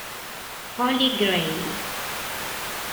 Holy Grail